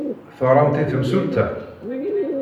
Teɣramt i temsulta?